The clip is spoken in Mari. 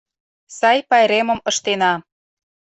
Сай пайремым ыштена.